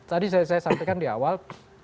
tadi saya sampaikan di awal